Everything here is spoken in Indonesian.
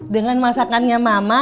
dengan masakannya mama